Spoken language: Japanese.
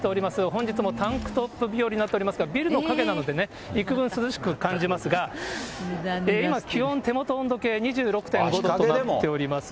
本日もタンクトップ日和になっておりますが、ビルの陰なのでね、いくぶん涼しく感じますが、今気温、手元の温度計、２６．５度と日陰でも？